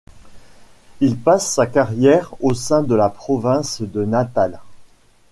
Il passe sa carrière au sein de la province de Natal.